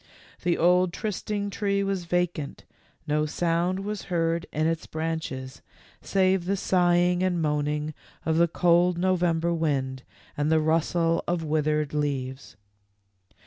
The old trysting tree was vacant, no sound was heard in its branches, save the sighing and THE LAST MEETING. 155 moaning of the cold November wind and the rustle of withered leaves.